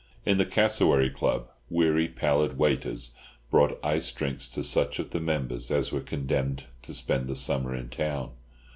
In the Cassowary Club, weary, pallid waiters brought iced drinks to such of the members as were condemned to spend the summer in town.